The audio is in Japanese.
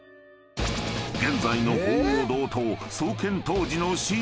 ［現在の鳳凰堂と創建当時のＣＧ］